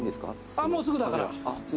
ああもうすぐだから。